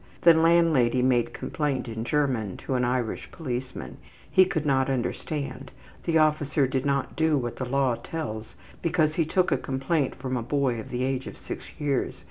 The landlady made complaint in German to an Irish policeman. He could not understand. The officer did not do what the law tells because he took a complaint from a boy of the age of 6 years.